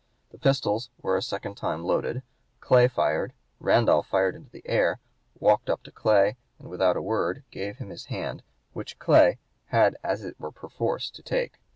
The pistols were a second time loaded; Clay fired; Randolph fired into the air, walked up to Clay and without a word gave him his hand, which Clay had as it were perforce to take.